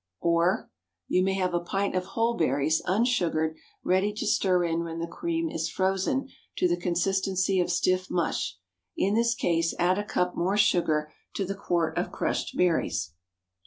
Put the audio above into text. Or, You may have a pint of whole berries, unsugared, ready to stir in when the cream is frozen to the consistency of stiff mush. In this case add a cup more sugar to the quart of crushed berries.